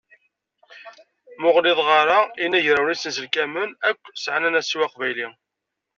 Ma ur ɣliḍeɣ ara, inagrawen isenselkamen akk sεan anasiw aqbayli.